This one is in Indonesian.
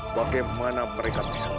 bagaimana mereka bisa